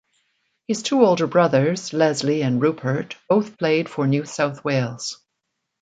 His two older brothers, Leslie and Rupert, both played for New South Wales.